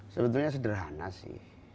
sebenarnya sederhana sih